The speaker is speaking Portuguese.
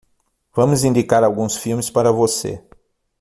Vamos indicar alguns filmes para você.